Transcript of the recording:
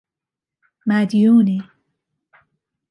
مدیونی